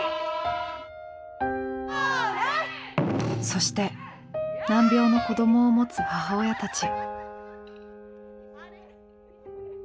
そして難病の子供をもつ母親たち。